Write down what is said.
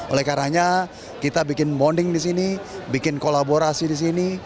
oleh karanya kita bikin bonding di sini bikin kolaborasi di sini